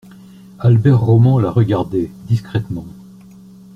Albert Roman la regardait, discrètement.